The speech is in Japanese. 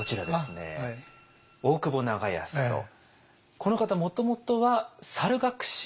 この方もともとは猿楽師。